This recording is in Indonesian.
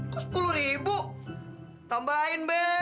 kok sepuluh ribu tambahin beh